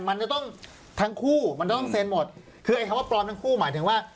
มันจะต้องทั้งคู่มันต้องเซ็นหมดคือไอ้คำว่าปลอมทั้งคู่หมายถึงว่า